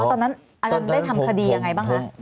ตอนนั้นอ่านได้ทำคดีอย่างไรบ้างฮะ